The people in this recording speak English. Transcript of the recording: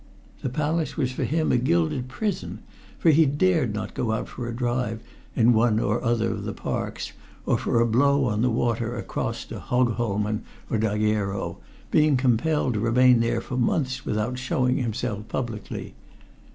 The palace was for him a gilded prison, for he dared not go out for a drive in one or other of the parks or for a blow on the water across to Hogholmen or Dagero, being compelled to remain there for months without showing himself publicly.